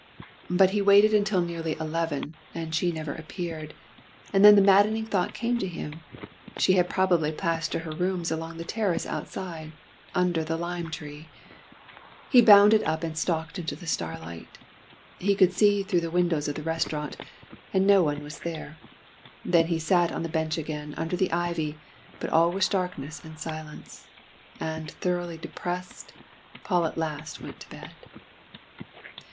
But he waited until nearly eleven, and she never appeared, and then the maddening thought came to him she had probably passed to her rooms along the terrace outside, under the lime tree. He bounded up, and stalked into the starlight. He could see through the windows of the restaurant, and no one was there. Then he sat on the bench again, under the ivy but all was darkness and silence; and thoroughly depressed, Paul at last went to bed.